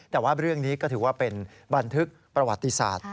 แต่ว่าเรื่องนี้ก็ถือว่าเป็นบันทึกประวัติศาสตร์